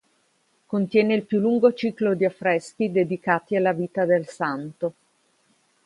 Contiene il più lungo ciclo di affreschi dedicati alla vita del santo.